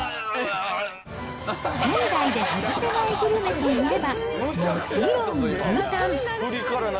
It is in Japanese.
仙台で外せないグルメといえば、もちろん牛タン。